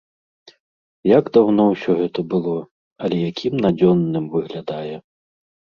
Як даўно ўсё гэта было, але якім надзённым выглядае!